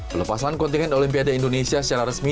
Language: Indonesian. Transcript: perlepasan kontinen olimpiade indonesia secara resmi